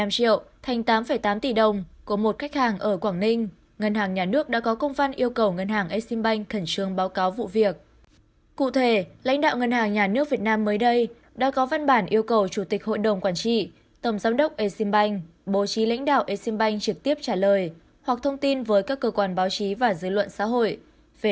các bạn hãy đăng ký kênh để ủng hộ kênh của chúng mình nhé